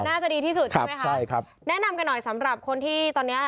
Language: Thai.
น่าจะดีที่สุดใช่ไหมคะใช่ครับแนะนำกันหน่อยสำหรับคนที่ตอนเนี้ย